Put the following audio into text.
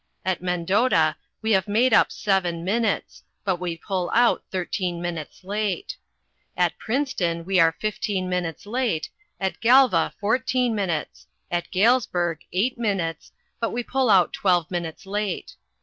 At Mendota we have made up seven minutes, but we pull out thirteen minutes late. At Princeton we are fifteen minutes late, at Galva fourteen minutes, at Galesburg eight minutes, but we pull out twelve minutes late.